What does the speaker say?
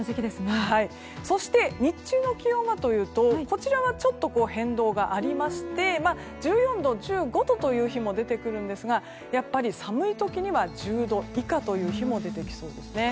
そして、日中の気温はというとこちらはちょっと変動がありまして１４度、１５度という日も出てきますがやっぱり寒い時には１０度以下という日も出てきそうですね。